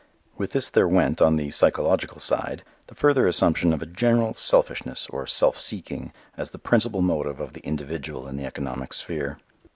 With this there went, on the psychological side, the further assumption of a general selfishness or self seeking as the principal motive of the individual in the economic sphere.